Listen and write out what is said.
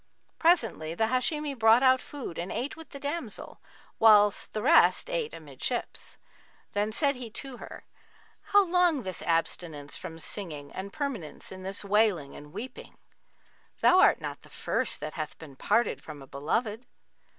Presently the Hashimi brought out food and ate with the damsel, whilst the rest ate amidships. Then said he to her, 'How long this abstinence from singing and permanence in this wailing and weeping? Thou art not the first that hath been parted from a beloved!'